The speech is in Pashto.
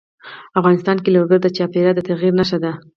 افغانستان کې لوگر د چاپېریال د تغیر نښه ده.